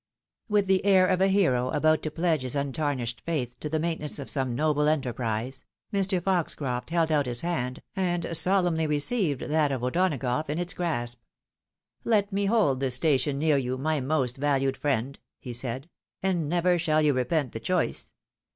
With the air of a hero about to pledge his untarnished faith to the maintenance of some noble enterprise, Mr. Foxcroft held out his hand, and solemnly received that of O'Donagough in its grasp. " Let me hold this station near you, my most vahied friend," he said, " and never shall you repent the choice.